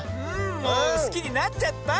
もうすきになっちゃった！